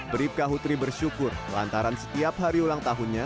berifka kutri bersyukur lantaran setiap hari ulang tahunnya